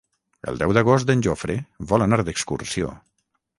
El deu d'agost en Jofre vol anar d'excursió.